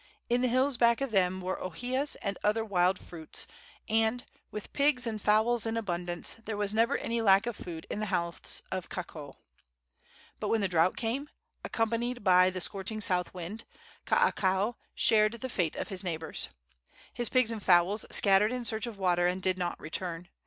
In the hills back of them were ohias and other wild fruits, and, with pigs and fowls in abundance, there was never any lack of food in the house of Kaakao. But when the drought came, accompanied by the scorching south wind, Kaakao shared the fate of his neighbors. His pigs and fowls scattered in search of water, and did not return.